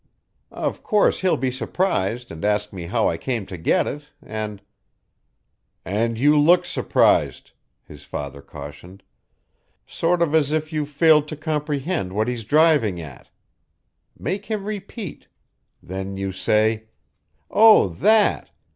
Of course he'll be surprised and ask me how I came to get it, and " "And you LOOK surprised," his father cautioned, " sort of as if you failed to comprehend what he's driving at. Make him repeat. Then you say: 'Oh, that!